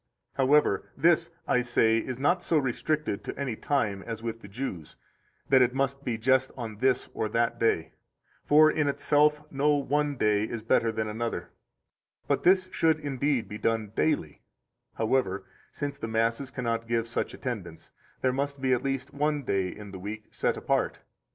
85 However, this, I say, is not so restricted to any time, as with the Jews, that it must be just on this or that day; for in itself no one day is better than another; but this should indeed be done daily; however, since the masses cannot give such attendance, there must be at least one day in the week set apart.